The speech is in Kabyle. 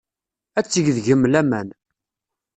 Ad teg deg-m laman.